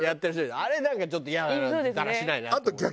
あれなんかちょっとイヤだらしないなと思う。